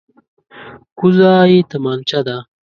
کوزه یې تمانچه ده.